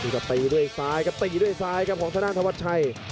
ก็ตีด้วยซ้ายก็ตีด้วยซ้ายครับของธนาธนวัชชัย